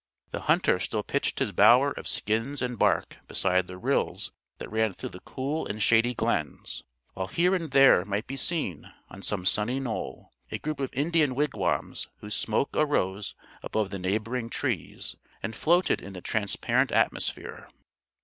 The hunter still pitched his bower of skins and bark beside the rills that ran through the cool and shady glens, while here and there might be seen, on some sunny knoll, a group of Indian wigwams whose smoke arose above the neighboring trees, and floated in the transparent atmosphere.